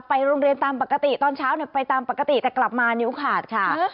ไปโรงเรียนตามปกติตอนเช้าไปตามปกติแต่กลับมานิ้วขาดค่ะ